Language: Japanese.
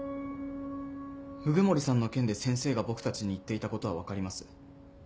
鵜久森さんの件で先生が僕たちに言っていたことは分かります。